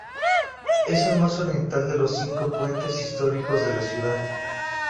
Es el más oriental de los cinco puentes históricos de la ciudad.